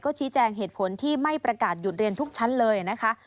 ชี้แจงเหตุผลที่ไม่ประกาศหยุดเรียนทุกชั้นเลยนะคะ